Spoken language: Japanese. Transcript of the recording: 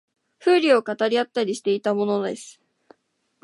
風流を語り合ったりしていたものです